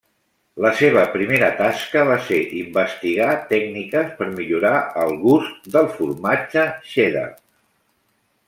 La seva primera tasca va ser investigar tècniques per millorar el gust del formatge cheddar.